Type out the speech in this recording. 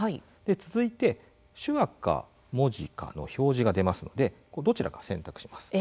続いて、手話か文字か表示が出てきますのでどちらかを選択します。